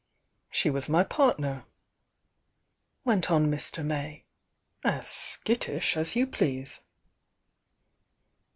"She was my partner," went on Mr. May. "As skittish as you please!"